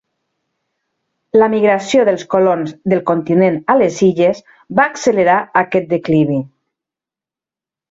La migració dels colons del continent a les illes va accelerar aquest declivi.